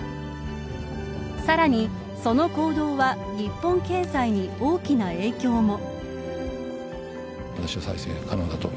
さらに、その行動は日本経済に大きな影響も。